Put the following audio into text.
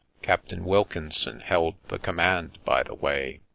(Captain Wilkinson held the command, by the way.)